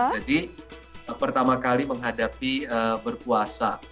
jadi pertama kali menghadapi berpuasa